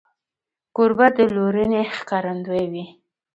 کوربه د لورینې ښکارندوی وي.